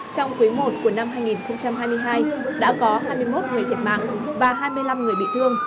trong quý i của năm hai nghìn hai mươi hai đã có hai mươi một người thiệt mạng và hai mươi năm người bị thương